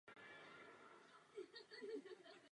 Na albu se také začal výrazněji projevovat jako autorka.